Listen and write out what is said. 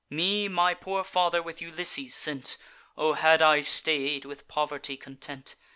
Me my poor father with Ulysses sent; (O had I stay'd, with poverty content!)